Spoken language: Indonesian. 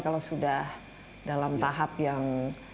kalau sudah dalam tahap yang